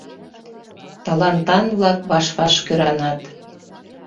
Талантан-влак ваш-ваш кӧранат.